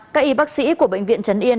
các y bác sĩ của bệnh viện trấn yên